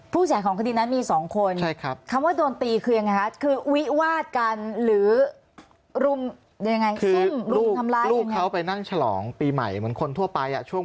ผู้จ่ายของคดีนั้นมี๒คนคำว่าโดนตีคืออย่างไรครับ